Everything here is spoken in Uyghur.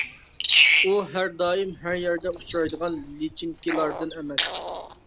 ئۇ ھەر دائىم ھەر يەردە ئۇچرايدىغان لىچىنكىلاردىن ئەمەس.